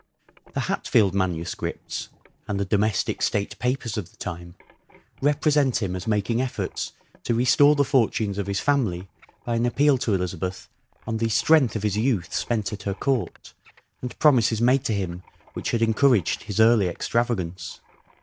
The Hatfield manuscripts, and the Domestic State Papers of the time, represent him as making efforts to restore the fortunes of his family by an appeal to Elizabeth, on the strength of his youth spent at her court, and promises made to him which had encouraged his early extravagance.